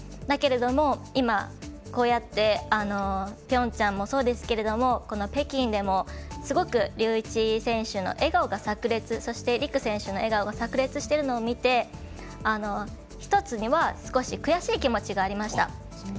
だけれども、今こうやってピョンチャンもそうですけどもこの北京でもすごく龍一選手の笑顔がさく裂、そして璃来選手の笑顔がさく裂しているのを見て１つには少し悔しい気持ちがありました。